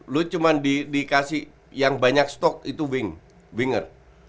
lu cuma dikasih yang banyak stok itu winger